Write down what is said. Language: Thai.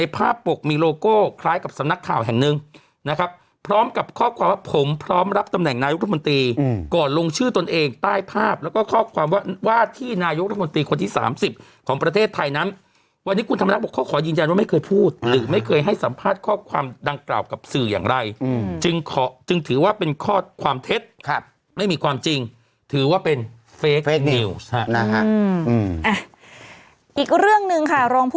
พร้อมกับข้อความว่าผมพร้อมรับตำแหน่งนายกรัฐมนตรีอืมก่อนลงชื่อตนเองใต้ภาพแล้วก็ข้อความว่าว่าที่นายกรัฐมนตรีคนที่สามสิบของประเทศไทยนั้นวันนี้คุณธรรมนัสบอกเขาขอยืนยันว่าไม่เคยพูดหรือไม่เคยให้สัมภาษณ์ข้อความดังกล่าวกับสื่ออย่างไรอืมจึงขอจึงถือว่าเป็นข้อค